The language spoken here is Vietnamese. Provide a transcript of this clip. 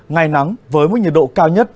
ngày nắng với mức nhiệt độ cao nhất